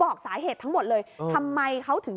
พอหลังจากเกิดเหตุแล้วเจ้าหน้าที่ต้องไปพยายามเกลี้ยกล่อม